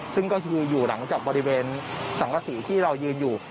ซึ่งก็คืออยู่หลังจากบริเวณสังกษีที่เรายืนอยู่